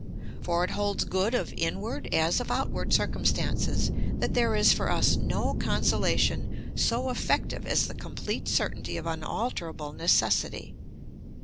For it holds good of inward as of outward circumstances that there is for us no consolation so effective as the complete certainty of unalterable necessity.